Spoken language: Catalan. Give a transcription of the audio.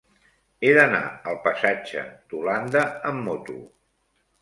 He d'anar al passatge d'Holanda amb moto.